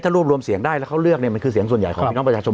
รวบรวมเสียงได้แล้วเขาเลือกเนี่ยมันคือเสียงส่วนใหญ่ของพี่น้องประชาชน